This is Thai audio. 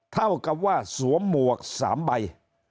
เท่ากับว่าสวมหมวก๓ใบ